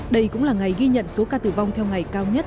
đây cũng là ngày ghi nhận số ca tử vong theo ngày cao nhất